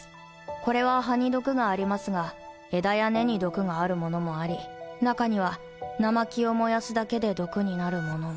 これは葉に毒がありますが枝や根に毒があるものもあり中には生木を燃やすだけで毒になるものも。